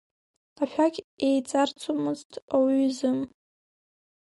Ашәақь еиҵарҵомызт ауаҩы изы.